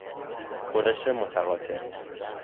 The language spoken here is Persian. برش متقاطع